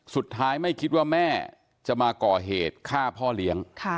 สุดท้ายไม่คิดว่าแม่จะมาก่อเหตุฆ่าพ่อเลี้ยง